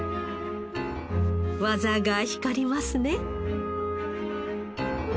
技が光りますね